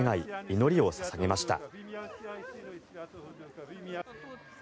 祈りを捧げました。